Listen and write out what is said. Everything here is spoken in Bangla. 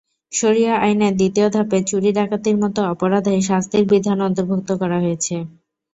শরিয়া আইনের দ্বিতীয় ধাপে চুরি, ডাকাতির মতো অপরাধে শাস্তির বিধান অন্তর্ভুক্ত করা হয়েছে।